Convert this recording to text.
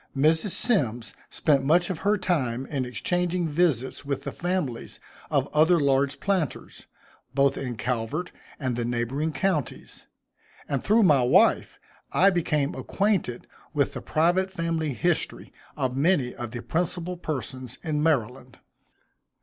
Mrs. Symmes spent much of her time in exchanging visits with the families of the other large planters, both in Calvert and the neighboring counties; and through my wife, I became acquainted with the private family history of many of the principal persons in Maryland.